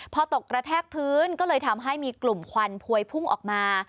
พอตกกระแทกพื้นก็เลยทำให้มีกลุ่มควันพวยพุ่งออกมา